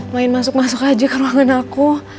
main masuk masuk aja kan bangun aku